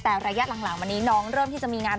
แต่ระยะหลังวันนี้น้องเริ่มที่จะมีงาน